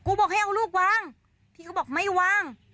กูบอกให้เอานั่งรถวางพี่เขาบอกไม่วาง